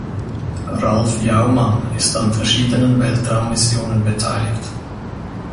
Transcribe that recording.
Ralf Jaumann ist an verschiedenen Weltraummissionen beteiligt.